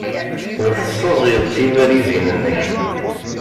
Ur tessaẓyeḍ tibalizin-nnek.